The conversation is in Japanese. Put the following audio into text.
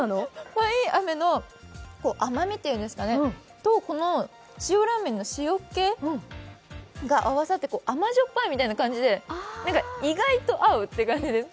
パインアメの甘みとこの塩ラーメンの塩っけが合わさって甘塩っぱいみたいな感じで、意外と合うって感じです。